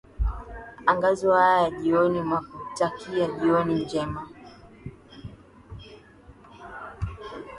angazo haya ya jioni makutakia njioni njema